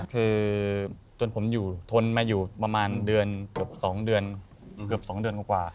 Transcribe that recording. คือจนผมอยู่ทนมาอยู่ประมาณเดือนเกือบ๒เดือนกว่า